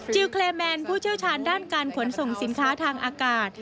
เคลแมนผู้เชี่ยวชาญด้านการขนส่งสินค้าทางอากาศ